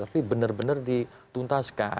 tapi benar benar dituntaskan